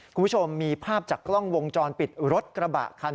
คุณผู้ชมมีภาพจากกล้องวงจรปิดรถกระบะคัน